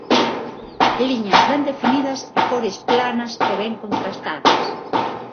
Liñas ben definidas e cores planas e ben contrastadas.